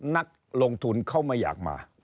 นักลงทุนเขาไม่อยากมา